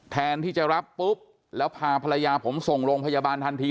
แทนที่จะรับปุ๊บแล้วพาภรรยาผมส่งโรงพยาบาลทันที